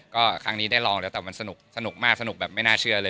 ก็ครั้งนี้ได้ลองแล้วแต่มันสนุกมากสนุกแบบไม่น่าเชื่อเลย